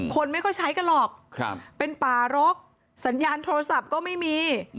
คนไม่ค่อยใช้กันหรอกเป็นป่ารกสัญญาณโทรศัพท์ก็ไม่มี